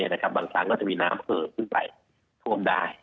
บางครั้งก็จะมีน้ำเพิ่มขึ้นไปท่วมได้